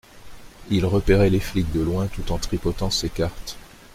il repérait les flics de loin tout en tripotant ses cartes.